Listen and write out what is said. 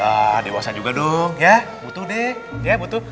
ah dewasa juga dong ya butuh deh ya butuh